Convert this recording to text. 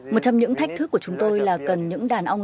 một trong những thách thức của chúng tôi là cần những đàn ong